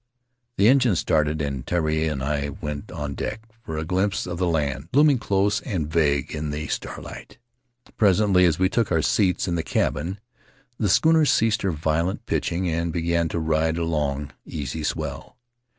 The engine started and Tari and I went on deck for a glimpse of the land, looming close and vague in the starlight. Presently, as we took our seats in the cabin, the schooner ceased her violent pitching and began to ride a long, easy swell.